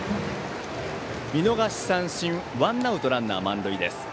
見逃し三振、ワンアウトランナー満塁。